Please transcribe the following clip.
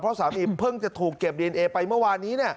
เพราะสามีเพิ่งจะถูกเก็บดีเอนเอไปเมื่อวานนี้